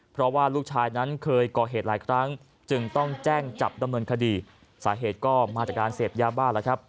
เพราะว่าลูกชายนั้นเคยก่อเหตุหลายครั้งจึงต้องแจ้งจับดำเนินคดีสาเหตุก็มาจากการเสพยาบ้าแล้วครับ